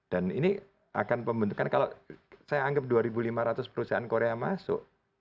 dan ini akan membentukkan kalau saya anggap dua lima ratus perusahaan korea masuk